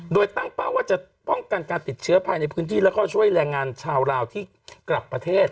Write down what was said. โดยตั้งเป้าว่าจะป้องกันการติดเชื้อภายในพื้นที่แล้วก็ช่วยแรงงานชาวลาวที่กลับประเทศ